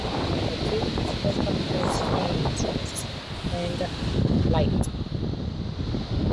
The two spoke of their experiences during the flight.